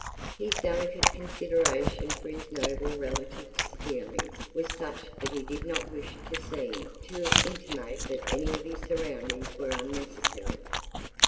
His delicate consideration for his noble relative's feelings was such that he did not wish to seem to intimate that any of his surroundings were unnecessary.